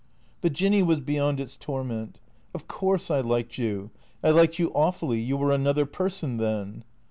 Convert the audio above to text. But Jinny was beyond its torment. "Of course I liked you. I liked you awfully. You were another person then."